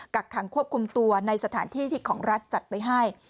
กักขังควบคุมตัวในสถานที่ที่ของรัฐจัดไปให้